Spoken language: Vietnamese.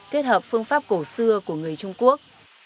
kết hợp phương pháp cổ xưa của người trung quốc